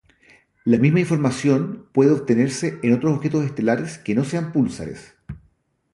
La misma información puede obtenerse en otros objetos estelares que no sean púlsares.